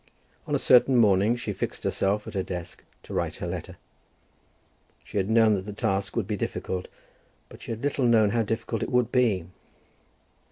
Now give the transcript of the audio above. On a certain morning she fixed herself at her desk to write her letter. She had known that the task would be difficult, but she had little known how difficult it would be.